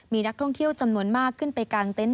มีนักท่องเที่ยวจำนวนมากขึ้นไปกลางเต็นต